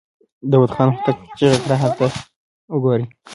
داوود خان هوتک چيغه کړه! هلته وګورئ!